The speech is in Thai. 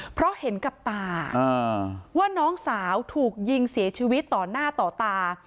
เพราะเห็นกับตาว่าน้องสาวถูกยิงเสียชีวิตต่อหน้าต่อตา